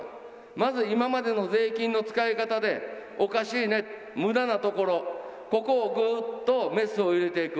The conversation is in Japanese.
まず今までの税金の使い方で、おかしいね、むだなところ、ここをぐっとメスを入れていく。